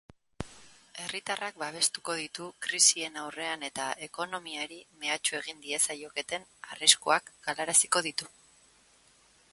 Herritarrak babestuko ditu krisien aurrean eta ekonomiari mehatxu egin diezaioketen arriskuak galaraziko ditu.